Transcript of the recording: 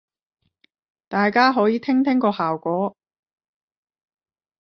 大家可以聽聽個效果